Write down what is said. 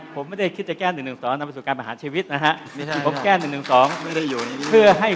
ผมไม่ได้จากแก๑๑๑๒นำสุดการอาหารชีวิตนะฮะผมแก้๑๑๒ไม่ได้อยู่เพื่อให้